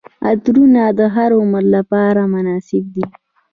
عطرونه د هر عمر لپاره مناسب دي.